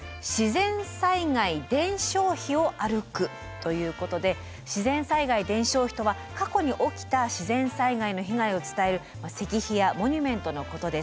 ということで自然災害伝承碑とは過去に起きた自然災害の被害を伝える石碑やモニュメントのことです。